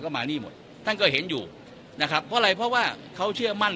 ก็มานี่หมดท่านก็เห็นอยู่นะครับเพราะอะไรเพราะว่าเขาเชื่อมั่น